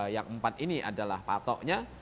yang empat ini adalah patoknya